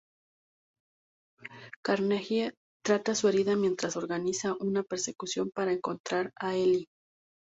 Carnegie trata su herida mientras organiza una persecución para encontrar a Eli.